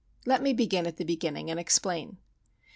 Let me begin at the beginning and explain.